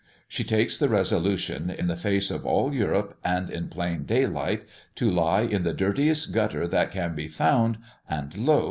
She takes the resolution, in the face of all Europe, and in plain daylight, to lie in the dirtiest gutter that can be found, and lo!